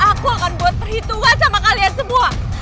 aku akan buat perhitungan sama kalian semua